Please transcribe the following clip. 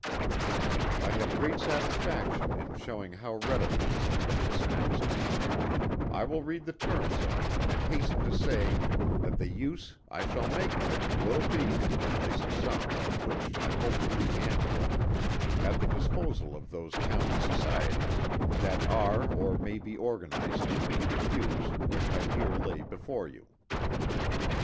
I have great satisfaction in showing how readily this has been dispensed: I will read the terms of it, and hasten to say that the use I shall make of it, will be, to place a sum, which I hope will be annual, at the disposal of those County Societies that are or may be organized to meet the views which I here lay before you.